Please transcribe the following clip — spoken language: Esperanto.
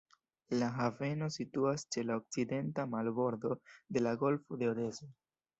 La haveno situas ĉe la okcidenta marbordo de la golfo de Odeso.